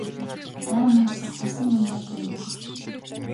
Ай мөн ч завхарсан юм болж байна даа.